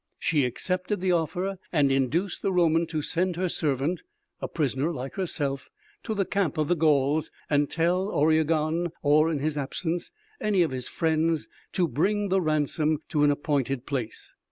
She accepted the offer and induced the Roman to send her servant, a prisoner like herself, to the camp of the Gauls and tell Oriegon or, in his absence, any of his friends, to bring the ransom to an appointed place.